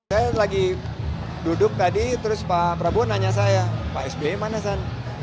saya lagi duduk tadi terus pak prabowo nanya saya pak sbe mana sandiaga uno